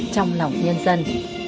trong lòng nhân dân